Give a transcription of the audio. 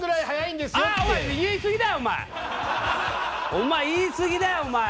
お前言いすぎだよお前！